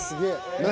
何？